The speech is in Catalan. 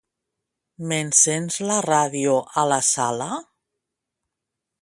M'encens la ràdio a la sala?